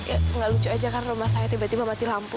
nggak lucu aja kan rumah saya tiba tiba mati lampu